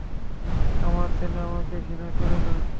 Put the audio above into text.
আমার ছেলে আমাকে ঘৃণা করে না!